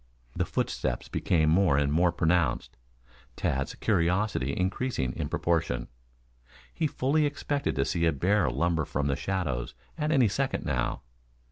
The footsteps became more and more pronounced, Tad's curiosity increasing in proportion. He fully expected to see a bear lumber from the shadows at any second now.